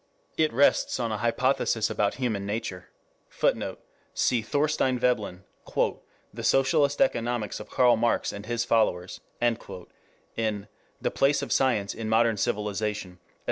It rests on an hypothesis about human nature. [Footnote: Cf. Thorstein Veblen, "The Socialist Economics of Karl Marx and His Followers," in The Place of Science in Modern Civilization, esp.